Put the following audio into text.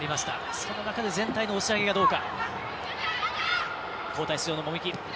その中で全体の押し上げがどうか。